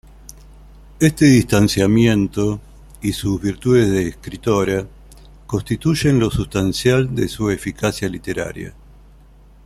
Este distanciamiento, y sus virtudes de escritora, constituyen lo sustancial de su eficacia literaria.